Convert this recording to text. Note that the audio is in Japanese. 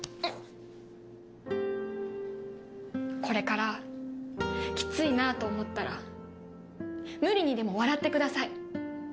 これからきついなぁと思ったら無理にでも笑ってください。